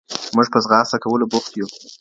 موږ په ځغاسته کولو بوخت یو.